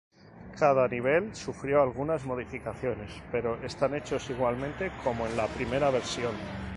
Cada nivel sufrió algunas modificaciones pero están hechos igualmente como en la primera versión.